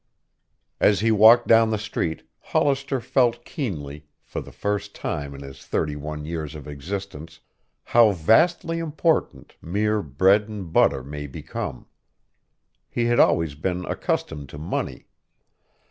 As he walked down the street, Hollister felt keenly, for the first time in his thirty one years of existence, how vastly important mere bread and butter may become. He had always been accustomed to money.